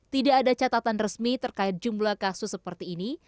tidak ada catatan resmi terkait jumlah kasus seperti ini